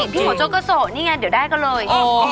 พี่เหาะโจ๊กก็โสดนี่ไงเดี๋ยวได้ก็เลย